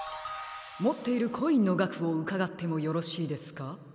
もっているコインのがくをうかがってもよろしいですか？